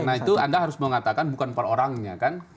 karena itu anda harus mengatakan bukan per orangnya kan